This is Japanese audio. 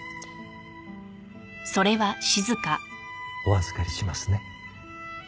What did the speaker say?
お預かりしますね。